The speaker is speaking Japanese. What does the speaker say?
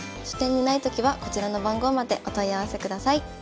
書店にないときはこちらの番号までお問い合わせください。